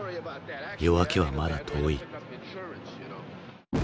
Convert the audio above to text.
夜明けはまだ遠い。